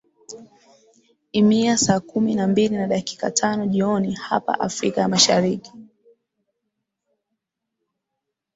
imia saa kumi na mbili na dakika tano jioni hapa afrika ya mashariki